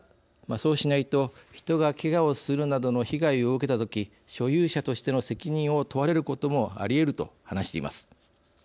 そうしないと人がけがをするなどの被害を受けた時所有者としての責任を問われることもありうると話しています。